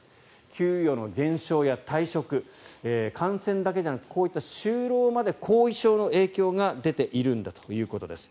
給与の減少や退職感染だけじゃなくてこういった就労まで後遺症の影響が出ているんだということです。